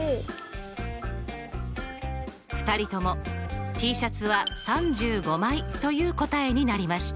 ２人ともＴシャツは３５枚という答えになりました。